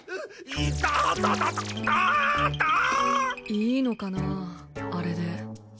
いいのかなあれで。